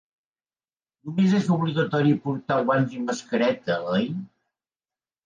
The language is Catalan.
Només és obligatori portar guants i mascareta, oi?